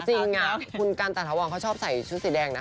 จริงคุณกันตาถวรเขาชอบใส่ชุดสีแดงนะ